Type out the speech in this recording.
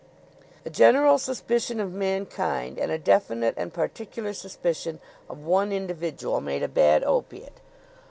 A general suspicion of mankind and a definite and particular suspicion of one individual made a bad opiate.